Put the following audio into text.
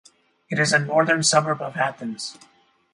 It is a northern suburb of Athens.